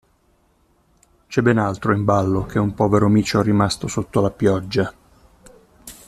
C'è ben altro in ballo che un povero micio rimasto sotto la pioggia.